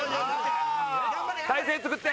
体勢作って！